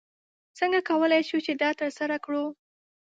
څنګه کولی شو چې دا ترسره کړو؟